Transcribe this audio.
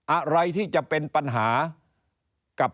อะไรที่จะเป็นปัญหากับ